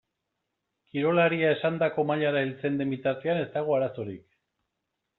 Kirolaria esandako mailara heltzen den bitartean ez dago arazorik.